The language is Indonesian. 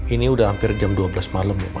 ini udah hampir jam dua belas malem ya ma